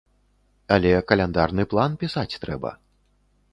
Але каляндарны план пісаць трэба.